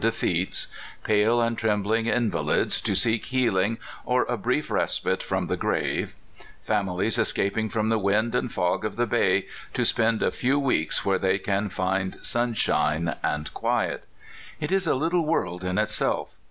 239 defeats ; pale and trembling invalids, to seek heal ing or a brief respite from the grave ; families es caping from the wind and fog of the bay, to spend a few weeks where they can find sunshine and quiet it is a little world in itself.